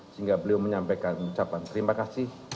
sehingga beliau menyampaikan ucapan terima kasih